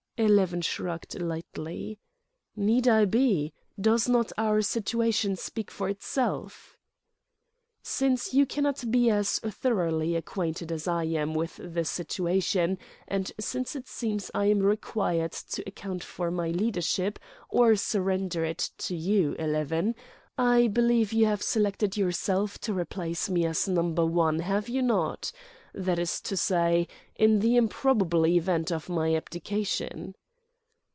Eleven shrugged lightly. "Need I be? Does not our situation speak for itself?" "Since you cannot be as thoroughly acquainted as I am with the situation, and since it seems I am required to account for my leadership or surrender it to you, Eleven ... I believe you have selected yourself to replace me as Number One, have you not?—that is to say, in the improbable event of my abdication."